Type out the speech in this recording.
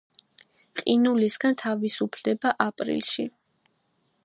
ყინულისაგან თავისუფლდება აპრილში.